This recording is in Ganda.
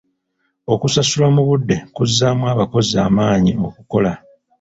Okusasula mu budde kuzzaamu abakozi amaanyi okukola.